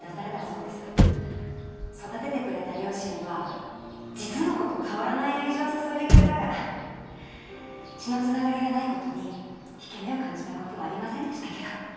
育ててくれた両親は実の子と変わらない愛情を注いでくれたから血の繋がりがない事に引け目を感じた事はありませんでしたけど。